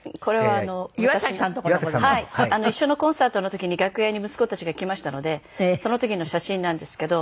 一緒のコンサートの時に楽屋に息子たちが来ましたのでその時の写真なんですけど。